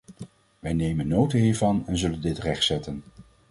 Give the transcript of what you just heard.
Wij nemen nota hiervan en zullen dit rechtzetten.